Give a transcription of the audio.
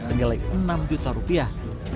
senilai enam juta rupiah